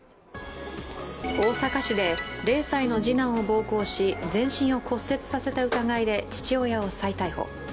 大阪市で０歳の次男を暴行し全身を骨折させた疑いで父親を再逮捕。